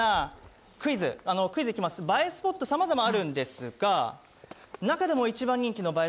映えスポット、さまざまあるんですが中でも一番人気の映え